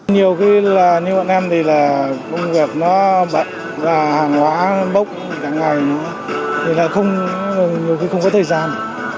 nhiều khi như bọn em thì công việc nó bận hàng hóa bốc đáng ngày nhiều khi không có thời gian